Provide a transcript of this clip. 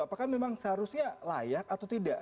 apakah memang seharusnya layak atau tidak